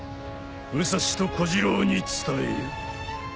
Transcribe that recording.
武蔵と小次郎に伝えよ。